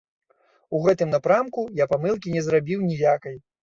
У гэтым напрамку я памылкі не зрабіў ніякай.